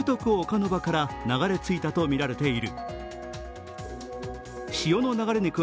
ノ場から流れ着いたとみられている。